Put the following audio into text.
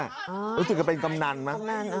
รู้สึกจะเป็นกำนันมั้ง